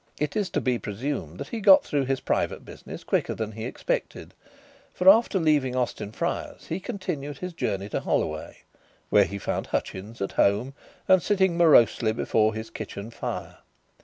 It is to be presumed that he got through his private business quicker than he expected, for after leaving Austin Friars he continued his journey to Holloway, where he found Hutchins at home and sitting morosely before his kitchen fire.